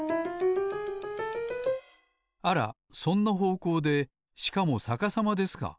あらそんなほうこうでしかもさかさまですか。